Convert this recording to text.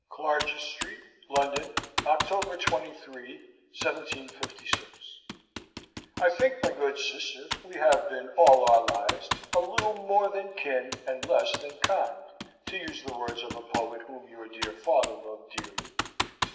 "CLARGIS STREET, LONDON, October 23, 1756. "I think, my good sister, we have been all our lives a little more than kin and less than kind, to use the words of a poet whom your dear father loved dearly.